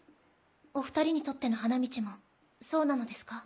お２人にとっての花道もそうなのですか？